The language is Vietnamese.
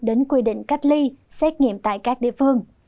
đến quy định cách ly xét nghiệm tại các địa phương